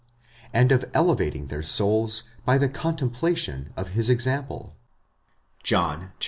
and of elevating their souls by the contemplation of his example (John xiv.